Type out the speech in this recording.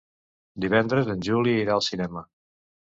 Divendres en Juli irà al cinema.